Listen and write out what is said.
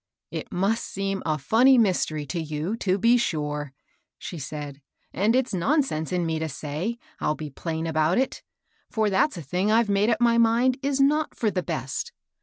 " It must seem a fiinny mystery to you, to be sure," she said ;" and it's nonsense in me to say, I'll be plain about it ; for that's a thing I've made up my mind is not for the best.